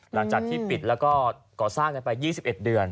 หลังจากที่ปิดแล้วก็ก่อสร้างกันไป๒๑เดือน